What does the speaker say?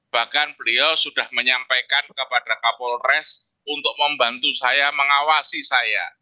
bahkan beliau sudah menyampaikan kepada kapolres untuk membantu saya mengawasi saya